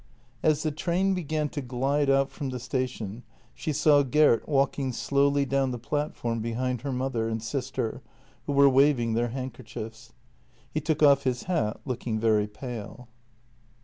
As the train began to glide out from the station she saw Gert walking slowly down the platform behind her mother and sis ter, who were waving their handkerchiefs. He took off his hat, looking very pale.